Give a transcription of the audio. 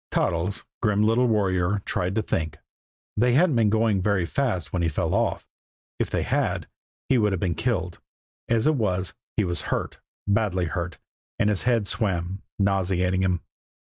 Toddles, grim little warrior, tried to think. They hadn't been going very fast when he fell off. If they had, he would have been killed. As it was, he was hurt, badly hurt, and his head swam, nauseating him.